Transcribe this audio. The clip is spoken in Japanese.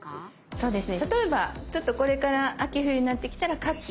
そうですね。